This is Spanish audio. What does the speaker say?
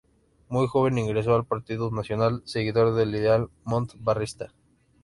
Muy joven ingresó al Partido Nacional, seguidor del ideal Montt-Varista.